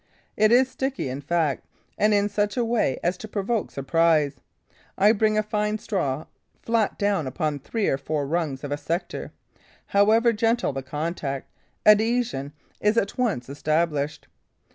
It is sticky, in fact, and in such a way as to provoke surprise. I bring a fine straw flat down upon three or four rungs of a sector. However gentle the contact, adhesion is at once established.